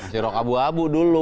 cirok abu abu dulu